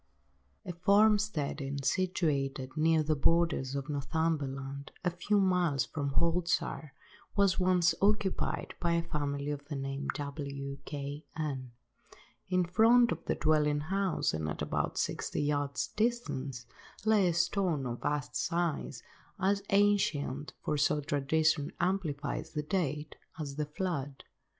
A farm–steading situated near the borders of Northumberland, a few miles from Haltwhistle, was once occupied by a family of the name of W—— K—— n. In front of the dwelling–house, and at about sixty yards' distance, lay a stone of vast size, as ancient, for so tradition amplifies the date, as the flood.